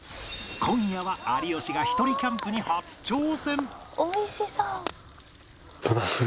今夜は有吉がひとりキャンプに初挑戦！